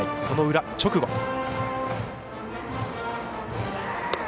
その裏、直後。